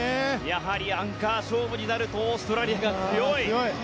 やはりアンカー勝負になるとオーストラリアが強い。